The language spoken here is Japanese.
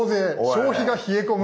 消費が冷え込む！」。